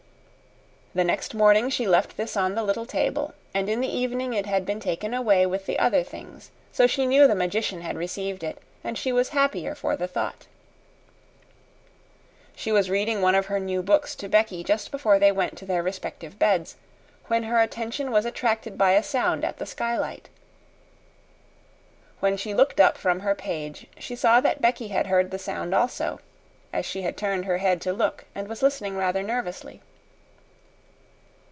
The next morning she left this on the little table, and in the evening it had been taken away with the other things; so she knew the Magician had received it, and she was happier for the thought. She was reading one of her new books to Becky just before they went to their respective beds, when her attention was attracted by a sound at the skylight. When she looked up from her page she saw that Becky had heard the sound also, as she had turned her head to look and was listening rather nervously.